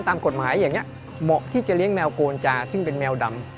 ตามกฎหมายอย่างนี้เหมาะที่จะเลี้ยแมวโกนจาซึ่งเป็นแมวดำ